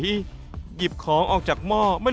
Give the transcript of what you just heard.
หยิบของออกจากประเทศ